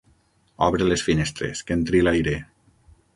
Obre les finestres, que entri l'aire.